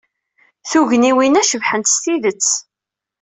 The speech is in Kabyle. Tugniwin-a cebḥent s tidet.